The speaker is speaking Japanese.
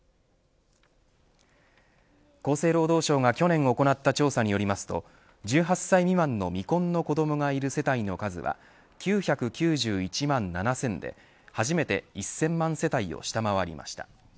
厚生労働省が去年行った調査によりますと１８歳未満の未婚の子どもがいる世帯の数は９９１万７０００で初めて１０００万世帯を下回りました。